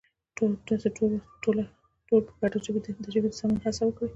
تاسو بايد ټول په گډه د ژبې د سمون هڅه وکړئ!